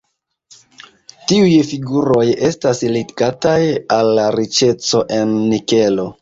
Tiuj figuroj estas ligataj al la riĉeco en nikelo.